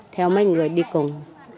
theo mấy người đi cùng